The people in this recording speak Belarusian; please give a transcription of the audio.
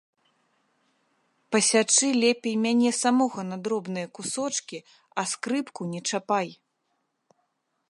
Пасячы лепей мяне самога на дробныя кусочкі, а скрыпку не чапай!